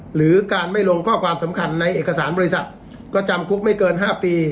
หรือการไม่ลงข้อความสำคัญในเอกสารบริษัทก็จำคุกไม่เกิน๕ปี